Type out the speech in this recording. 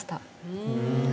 うん。